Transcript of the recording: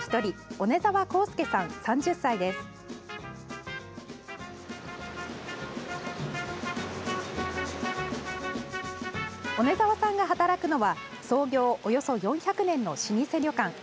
小根澤さんが働くのは創業およそ４００年の老舗旅館。